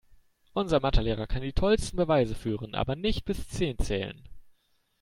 Unser Mathe-Lehrer kann die tollsten Beweise führen, aber nicht bis zehn zählen.